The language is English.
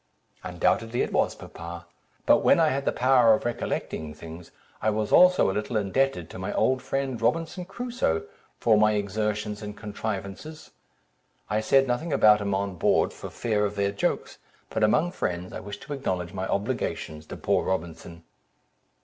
"Undoubtedly it was, papa; but when I had the power of recollecting things, I was also a little indebted to my old friend, Robinson Crusoe, for my exertions and contrivances. I said nothing about him on board, for fear of their jokes, but among friends, I wish to acknowledge my obligations to poor Robinson."